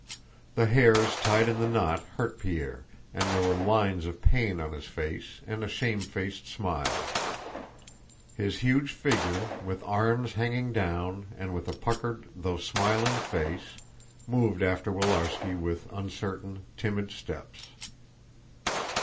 The hairs tied in the knot hurt Pierre and there were lines of pain on his face and a shamefaced smile. His huge figure, with arms hanging down and with a puckered, though smiling face, moved after Willarski with uncertain, timid steps.